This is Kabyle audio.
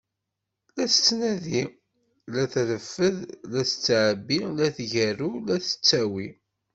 La tettnadi, la treffed, la tettɛebbi, la tgerrew, la tettawi.